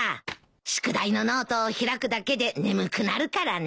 宿題のノートを開くだけで眠くなるからね。